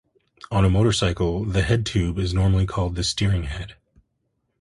On a motorcycle, the "head tube" is normally called the steering head.